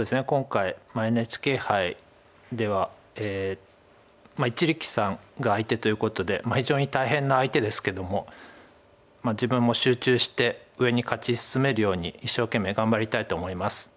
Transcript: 今回ＮＨＫ杯では一力さんが相手ということで非常に大変な相手ですけども自分も集中して上に勝ち進めるように一生懸命頑張りたいと思います。